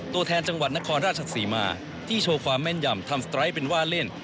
ตัวแทนจังหวัดนครราชศรีมาที่โชว์ความแม่นยำทำสไตล์เป็นว่าเล่น